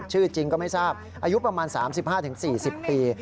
ชื่อจริงก็ไม่ทราบอายุประมาณ๓๕๔๐ปี